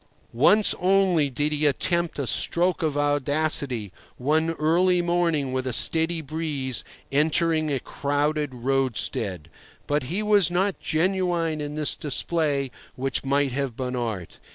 Once only did he attempt a stroke of audacity, one early morning, with a steady breeze, entering a crowded roadstead. But he was not genuine in this display which might have been art.